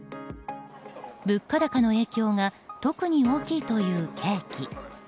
物価高の影響が特に大きいというケーキ。